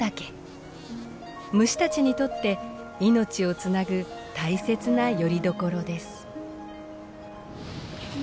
虫たちにとって命をつなぐ大切なよりどころです。